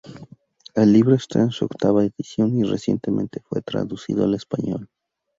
El libro está en su octava edición y recientemente fue traducido al español.